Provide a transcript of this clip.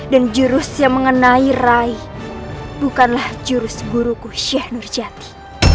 dan jurus yang mengenai rais bukanlah jurus guruku syekh nurjati